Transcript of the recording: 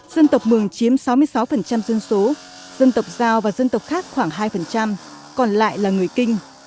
dân tộc mường chiếm sáu mươi sáu dân số dân tộc giao và dân tộc khác khoảng hai còn lại là người kinh